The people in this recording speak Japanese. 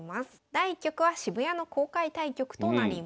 第１局は渋谷の公開対局となります。